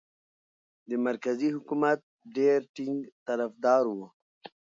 د مرکزي حکومت ډېر ټینګ طرفدار وو.